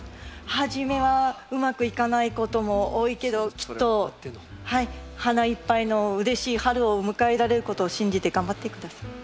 初めはうまくいかないことも多いけどきっと花いっぱいのうれしい春を迎えられることを信じて頑張って下さい。